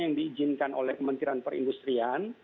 yang diizinkan oleh kementerian perindustrian